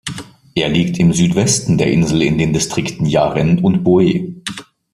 Er liegt im Südwesten der Insel in den Distrikten Yaren und Boe.